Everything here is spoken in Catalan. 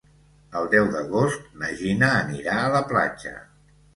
El deu d'agost na Gina anirà a la platja.